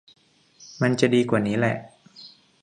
มันจะดีกว่านี้แหละ